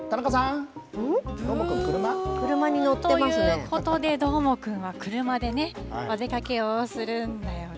ぶーん。ということで、どーもくんは車でね、お出かけをするんだよね。